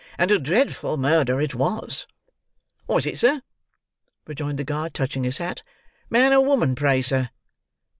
"And a dreadful murder it was." "Was it, sir?" rejoined the guard, touching his hat. "Man or woman, pray, sir?"